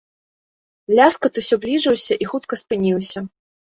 Ляскат усё бліжыўся і хутка спыніўся.